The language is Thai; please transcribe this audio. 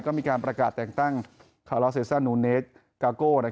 ก็มีการประกาศแต่งตั้งคาลอสเซสเซอร์นูเนทการ์โก้